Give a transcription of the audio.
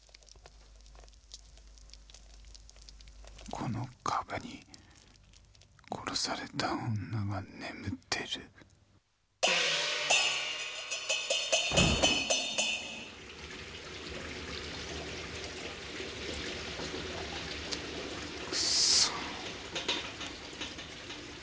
この壁に殺された女が眠ってる・クソッ。